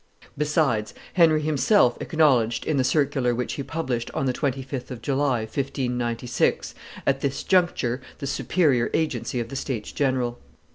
] Besides, Henry himself acknowledged, in the circular which he published on the 25th of July, 1596, at this juncture, the superior agency of the states general.